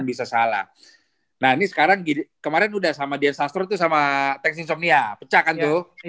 bisa salah nah ini sekarang kemarin udah sama densu sama thanks insomnia pecah kan tuh